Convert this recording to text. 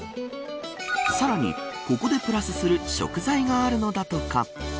さらに、ここでプラスする食材があるのだとか。